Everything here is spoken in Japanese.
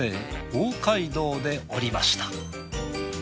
大街道で降りました。